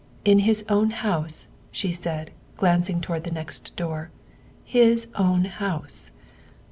" In his own house," she said, glancing towards the next door, " his own house."